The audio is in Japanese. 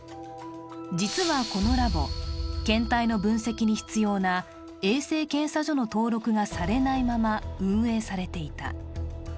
実はこのラボ、検体に必要な衛生検査所の登録がされないまま運営されていた。